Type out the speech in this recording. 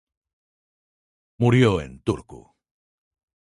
Murió en Turku.